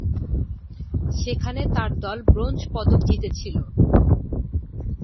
সেখানে তার দল ব্রোঞ্জ পদক জিতেছিল।